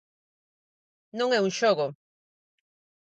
Non é un xogo.